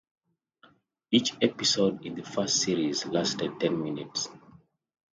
Each episode in the first series lasted ten minutes.